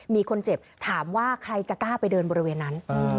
มีคนเจ็บถามว่าใครจะกล้าไปเดินบริเวณนั้น